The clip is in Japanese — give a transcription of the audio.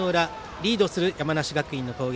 リードする山梨学院の攻撃。